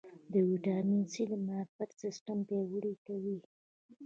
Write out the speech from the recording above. ویټامین سي د معافیت سیستم پیاوړی کوي